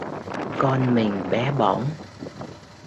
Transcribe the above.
Con mình bé bỏng